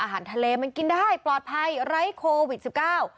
อาหารทะเลมันกินได้ปลอดภัยไร้โควิดสิบเก้า